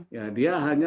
ya dia hanya mementingkan